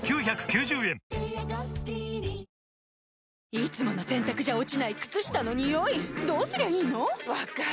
いつもの洗たくじゃ落ちない靴下のニオイどうすりゃいいの⁉分かる。